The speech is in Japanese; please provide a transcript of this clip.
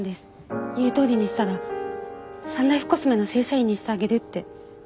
「言うとおりにしたらサンライフコスメの正社員にしてあげる」って。